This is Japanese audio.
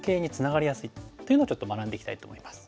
っていうのをちょっと学んでいきたいと思います。